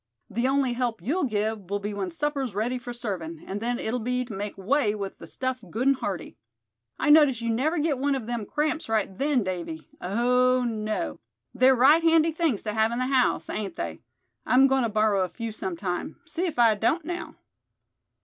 The only help you'll give will be when supper's ready for servin', and then it'll be to make way with the stuff good and hearty. I notice you never get one of them cramps right then, Davy; oh, no! They're right handy things to have in the house, ain't they. I'm goin' to borrow a few sometime, see if I don't now."